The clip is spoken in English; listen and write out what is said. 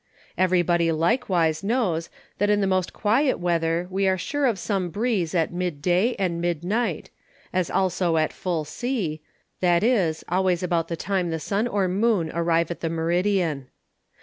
Every body likewise knows, that in the most quiet Weather we are sure of some Breeze at Mid day and Mid night, as also at Full Sea, i.e. always about the time the Sun or Moon arrive at the Meridian.